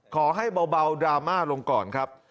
ขอให้เบาดราม่าลงก่อนครับ